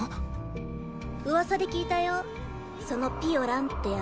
ウワサで聞いたよそのピオランって奴